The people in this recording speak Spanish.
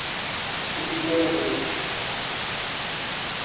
Su pico era negro.